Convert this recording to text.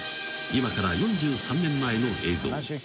今から４３年前の映像］